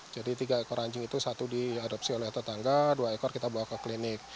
jadi tiga ekor anjing itu satu diadopsi oleh tetangga dua ekor kita bawa ke klinik